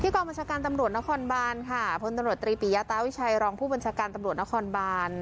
กองบัญชาการตำรวจนครบานค่ะพลตำรวจตรีปิยาตาวิชัยรองผู้บัญชาการตำรวจนครบาน